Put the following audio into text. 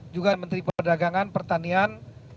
juga menteri perdagangan pertanian